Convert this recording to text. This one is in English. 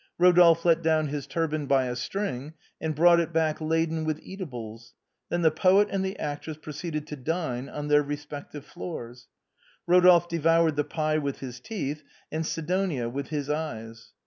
Rodolphe let down his turban by a string, and brought it back laden with eatables; then the poet and actress pro ceeded to dine — on their respective floors. Eodolphe de voured the pie with his teeth, and Sidonia with his eyes.